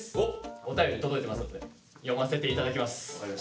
お便り届いてますので読ませて頂きます。